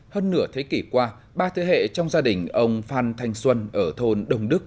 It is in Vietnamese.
hơn nửa thế kỷ qua ba thế hệ trong gia đình ông phan thanh xuân ở thôn đồng đức